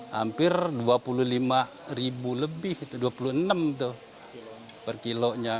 hampir rp dua puluh lima lebih rp dua puluh enam per kilonya